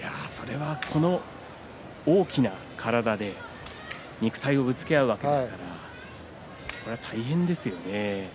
この大きな体で肉体をぶつけ合うわけですから大変ですよね。